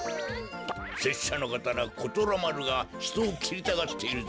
せっしゃのかたなことらまるがひとをきりたがっているぜ。